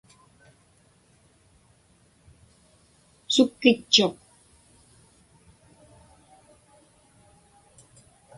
Sukkitchuq.